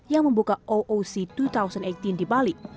yang membuka ooc dua ribu delapan belas di bali